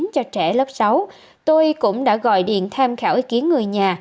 cho trẻ lớp sáu tôi cũng đã gọi điện tham khảo ý kiến người nhà